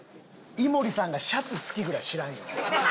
井森さんがシャツ好きぐらい知らんよ。